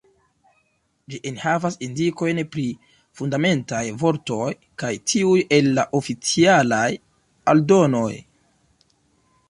Ĝi enhavas indikojn pri Fundamentaj vortoj kaj tiuj el la Oficialaj Aldonoj.